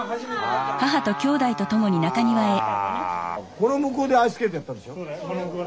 この向こうでアイススケートやったんでしょ。